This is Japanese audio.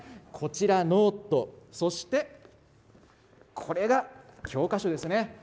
こちら、ノート、そしてこれが教科書ですね。